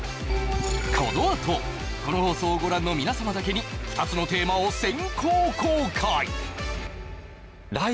このあとこの放送をご覧の皆様だけに２つのテーマを先行公開